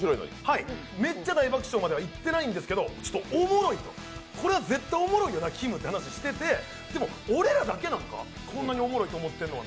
めっちゃ大爆笑まではいってないんですけどおもろいと、これは絶対おもろいよな、きむってなって、でも俺らだけなのか、こんなにおもろいと思ってるのが。